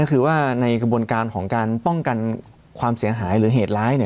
ก็คือว่าในกระบวนการของการป้องกันความเสียหายหรือเหตุร้าย